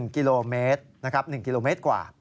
๑กิโลเมตรกว่า